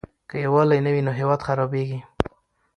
که يووالی نه وي نو هېواد خرابيږي.